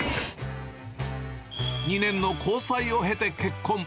２年の交際を経て結婚。